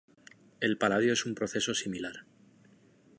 El paladio es un proceso similar.